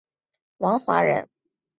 王华人。